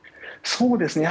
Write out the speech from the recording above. そうですね。